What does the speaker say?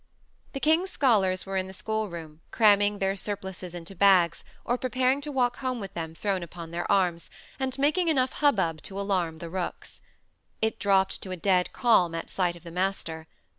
The king's scholars were in the schoolroom, cramming their surplices into bags, or preparing to walk home with them thrown upon their arms, and making enough hubbub to alarm the rooks. It dropped to a dead calm at sight of the master.